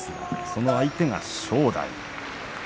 その相手が正代。